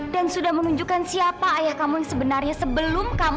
dan sudah menunjukkan siapa ayah kamu yang sebenarnya sebelum kamu